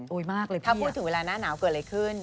มากเลยถ้าพูดถึงเวลาหน้าหนาวเกิดอะไรขึ้น